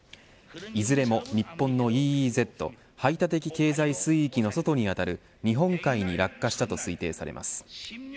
いずれも日本のＥＥＺ排他的経済水域の外に当たる日本海に落下したと推定されます。